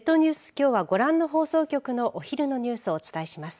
きょうはご覧の放送局のお昼のニュースをお伝えします。